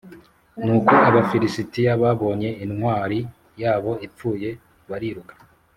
Nuko Abafilisitiya babonye intwari yabo ipfuye bariruka.